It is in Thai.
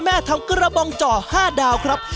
แม่ทำกระบองจ่อ๕ดาวครับ